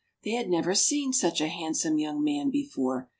They had never seen such a handsome young man before.